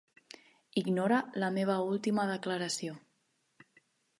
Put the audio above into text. Ignora la meva última declaració.